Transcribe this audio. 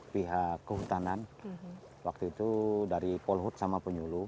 pihak kehutanan waktu itu dari polhut sama penyuluh